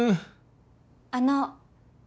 あの。